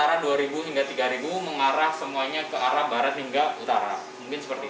mungkin seperti itu